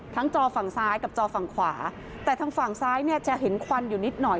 จอฝั่งซ้ายกับจอฝั่งขวาแต่ทางฝั่งซ้ายเนี่ยจะเห็นควันอยู่นิดหน่อย